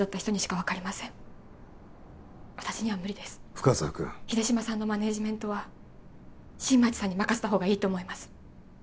深沢君秀島さんのマネージメントは新町さんに任せたほうがいいと思います